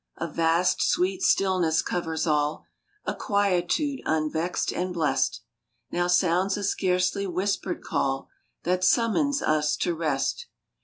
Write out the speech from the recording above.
A vast sweet stillness covers all ; A quietude unvexed and blest Now sounds a scarcely whispered call That summons us to rest.